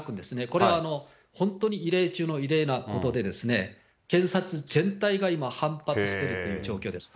これは本当に異例中の異例なことで、検察全体が今、反発してるという状況です。